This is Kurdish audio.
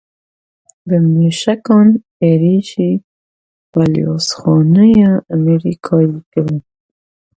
Bi mûşekan êrişî Balyozxaneya Amerîkayê kirin.